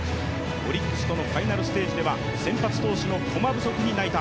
オリックスとのファイナルステージでは先発投手の駒不足に泣いた。